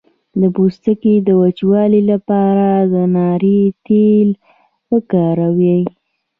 د پوستکي د وچوالي لپاره د ناریل تېل وکاروئ